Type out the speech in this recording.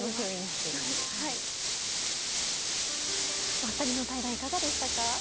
お二人の対談はいかがでしたか？